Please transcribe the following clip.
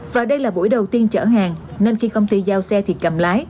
và đây là buổi đầu tiên chở hàng nên khi công ty giao xe thì cầm lái